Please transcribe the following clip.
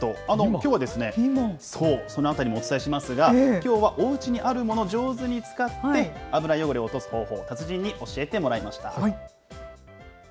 きょうは、そのあたりもお伝えしますが、きょうはおうちにあるものを上手に使って、油汚れを落とす方法、達人に教えてもらいました。